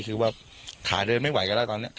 คือว่าขาเดินไม่ไหวกันแล้วตอนนี้